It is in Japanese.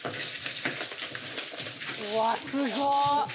うわすご。